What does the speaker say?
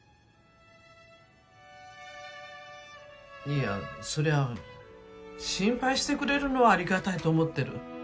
いやそりゃ心配してくれるのはありがたいと思ってる。